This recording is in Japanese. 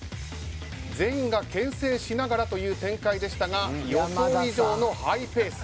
全員がけん制しながらという展開でしたが予想以上のハイペース